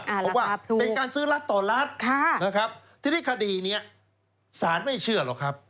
เพราะว่าเป็นการซื้อรัฐต่อรัฐนะครับทีนี้คดีนี้สารไม่เชื่อหรอกครับ